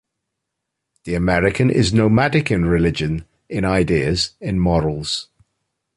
The American is nomadic in religion, in ideas, in morals.